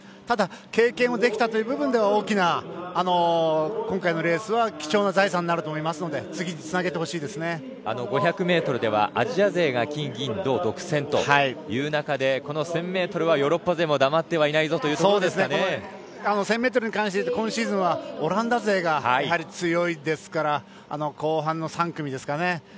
ただ経験もできたという部分では大きな今回のレースは貴重な財産になると思いますので５００ｍではアジア勢が金、銀、銅独占という中でこの１０００ｍはヨーロッパ勢も黙ってはいないぞ１０００ｍに関していうと今シーズンはオランダ勢がやはり強いですから後半の３組ですかね。